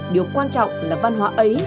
điều quan trọng là văn hóa ấy